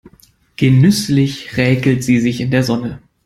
Genüsslich räkelt sie sich in der Sonne.